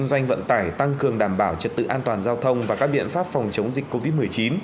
đảm bảo trật tự an toàn giao thông và các biện pháp phòng chống dịch covid một mươi chín